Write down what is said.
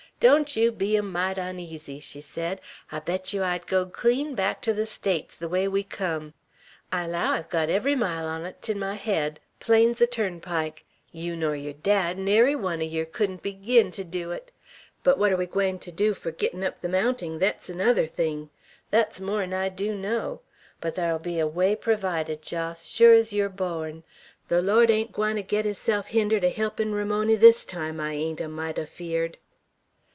"Don't yeow be a mite oneasy," she said. "I bet yeow I'd go clean back ter the States ther way we cum. I allow I've got every mile on 't 'n my hed plain's a turnpike. Yeow nor yer dad, neiry one on yer, couldn't begin to do 't. But what we air gwine ter do, fur gettin' up the mounting, thet's another thing. Thet's more 'n I dew know. But thar'll be a way pervided, Jos, sure's yeow're bawn. The Lawd ain't gwine to get hisself hindered er holpin' Ramony this time; I ain't a mite afeerd."